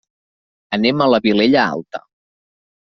Anem a la Vilella Alta.